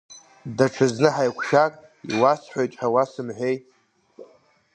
Даҽазны ҳаиқәшәар, иуасҳәоит ҳәа уасымҳәеи.